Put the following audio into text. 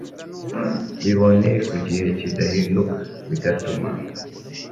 biboneye ku gihe kidahinduka, bigatuma